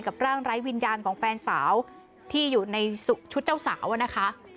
ร่างไร้วิญญาณของแฟนสาวที่อยู่ในชุดเจ้าสาวนะคะ